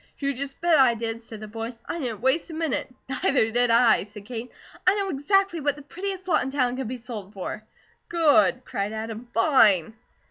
"You just bet I did," said the boy. "I didn't waste a minute." "Neither did I," said Kate. "I know exactly what the prettiest lot in town can be sold for." "Good!" cried Adam. "Fine!"